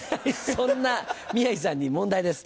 そんな宮治さんに問題です。